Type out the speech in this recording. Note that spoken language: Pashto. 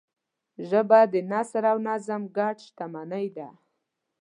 ژبه د نثر او نظم ګډ شتمنۍ ده